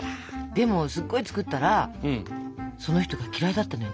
でもすっごい作ったらその人が嫌いだったのよ